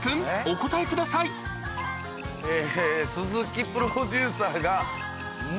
お答えくださいえ。